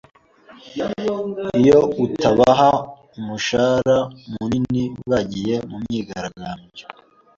Iyo atabaha umushahara munini, bagiye mu myigaragambyo.